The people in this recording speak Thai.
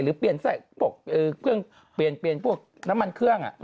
หรือเปลี่ยนพวกน้ำมันเครื่อง